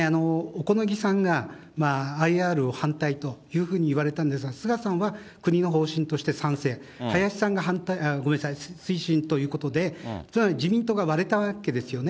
小此木さんがＩＲを反対というふうに言われたんですが、菅さんは国の方針として賛成、林さんが推進ということで、つまり自民党が割れたわけですよね。